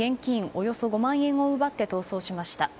およそ５万円を奪って逃走しました。